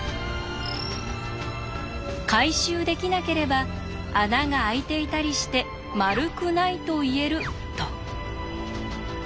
回収できなければ穴が開いていたりして丸くないと言えると。